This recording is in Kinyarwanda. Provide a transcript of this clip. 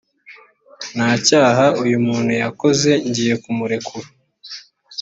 nta cyaha uyu muntu yakoze ngiye kumurekura